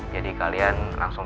jadi kalian langsung